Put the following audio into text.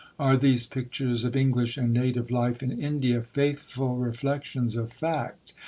Are these pictures of English and native life in India faithful reflexions of fact?